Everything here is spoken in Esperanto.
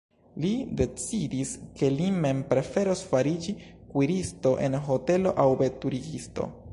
Li decidis, ke li mem preferos fariĝi kuiristo en hotelo aŭ veturigisto.